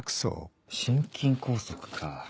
心筋梗塞か。